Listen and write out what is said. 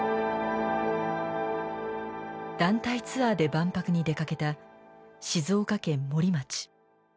団体ツアーで万博に出かけた静岡県森町。